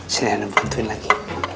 silahkan ngebantuin lagi